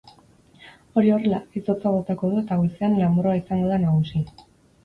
Hori horrela, izotza botako du eta goizean lanbroa izango da nagusi.